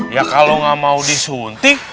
ya kalo gak mau disuntik